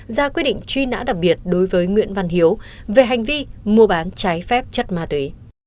ra quyết định truy nã đặc biệt đối với nguyễn văn hiếu về hành vi mua bán trái phép chất ma túy